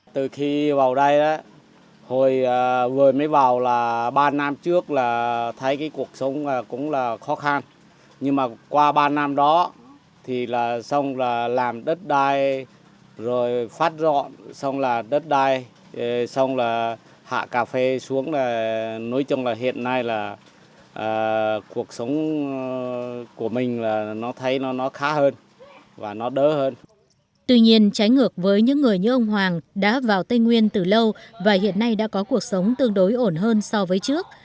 tuy nhiên trái ngược với những người như ông hoàng đã vào tây nguyên từ lâu và hiện nay đã có cuộc sống tương đối ổn hơn so với trước